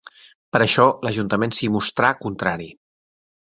Per això, l'Ajuntament s'hi mostrà contrari.